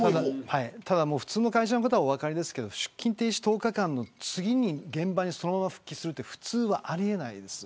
ただ普通の会社の方はお分かりですけど出勤停止１０日間の次に現場に、そのまま復帰するって普通はありえないです。